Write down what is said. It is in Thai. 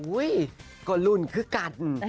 อุ้ยก็รุนคือกัน